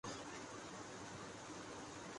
ہو چکا اب تو صف ماتم اٹھاد ینی چاہیے۔